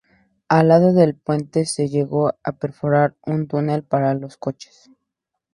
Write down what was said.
Al lado del puente se llegó a perforar un túnel para los coches.